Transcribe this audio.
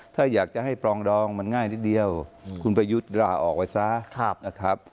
ถ้าอยากจะให้ปรองดองมันง่ายนิดเดียวคุณประยุทธ์ลาออกไปซะนะครับ